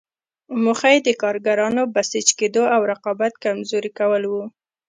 موخه یې د کارګرانو بسیج کېدو او رقابت کمزوري کول وو.